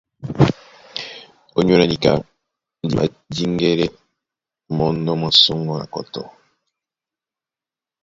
Ónyólá níka di madíŋgɛ́lɛ́ mǒndá mwá sɔŋgɔ na kɔ́tɔ́.